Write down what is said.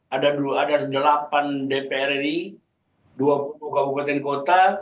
ada delapan dpr ri dua puluh kabupaten kota